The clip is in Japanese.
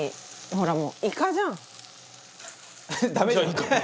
ほらもう。